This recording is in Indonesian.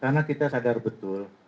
karena kita sadar betul